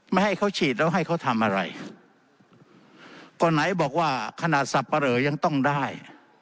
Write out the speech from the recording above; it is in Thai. ไม่ให้เขาฉีดแล้วให้เขาทำอะไรก็ไหนบอกว่าขนาดสับปะเหลอยังต้องได้